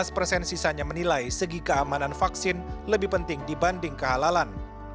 lima belas persen sisanya menilai segi keamanan vaksin lebih penting dibanding kehalalan